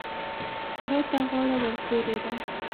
سارا ته غاړه ورپورې ده.